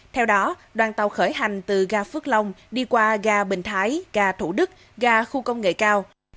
theo đó đoàn tàu khởi hành từ gà phước long đi qua gà bình thái gà thủ đức gà khu công nghệ cao